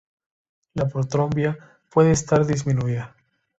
La protrombina puede estar disminuida.